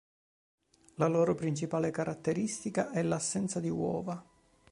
La loro principale caratteristica è l’assenza di uova.